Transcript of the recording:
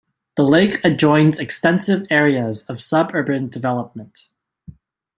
The lake adjoins extensive areas of suburban development.